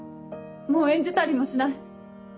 もう演じたりもしない。